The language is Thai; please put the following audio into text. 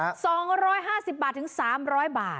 เท่าไหร่ครับ๒๕๐บาทถึง๓๐๐บาท